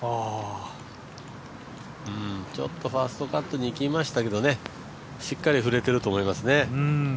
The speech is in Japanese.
ちょっとファーストカットにいきましたけどしっかり振れてると思います。